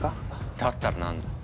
◆だったら何だ？